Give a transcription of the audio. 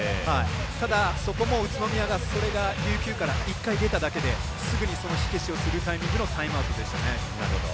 ただ、そこも宇都宮がそれが琉球から１回出ただけで、すぐに火消しをするタイミングのタイムアウトでしたね。